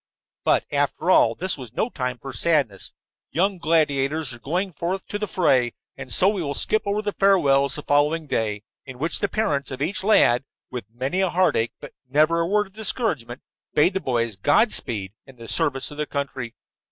But, after all, this was no time for sadness. Young gladiators were going forth to the fray. And so we will skip over the farewells the following day, in which the parents of each lad, with many a heartache but never a word of discouragement, bade the boys Godspeed in the service of their country.